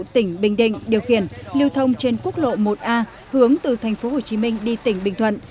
tỉnh bình định điều khiển lưu thông trên quốc lộ một a hướng từ thành phố hồ chí minh đi tỉnh bình thuận